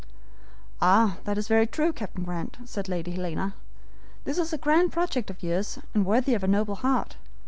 "Ah, that is very true, Captain Grant," said Lady Helena. "This is a grand project of yours, and worthy of a noble heart.